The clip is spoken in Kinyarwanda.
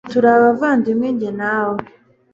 turi abavandimwe njye nawe